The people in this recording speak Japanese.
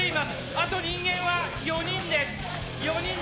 あと人間は４人です。